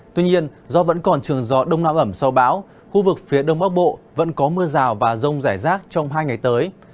tuy nhiên do vẫn còn trường gió đông nam ẩm sau bão khu vực phía đông bắc bộ vẫn có mưa rào và rông rải rác trong hai ngày tới